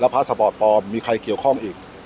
ผ้าสปอร์ตปลอมมีใครเกี่ยวข้อง